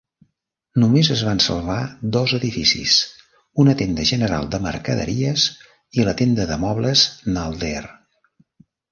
Només es van salvar dos edificis, una tenda general de mercaderies i la tenda de mobles Nalder.